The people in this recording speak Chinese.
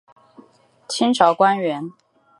清朝官员。